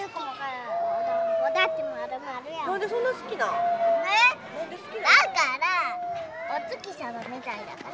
だからお月様みたいだから。